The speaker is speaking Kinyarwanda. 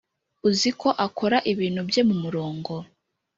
uziko akora ibintu bye mu murongo